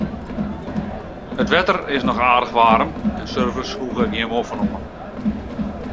It wetter is noch aardich waarm en surfers hoege gjin moffen oan.